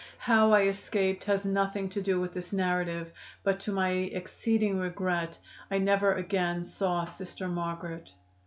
How I escaped has nothing to do with this narrative, but to my exceeding regret I never again saw Sister Margaret.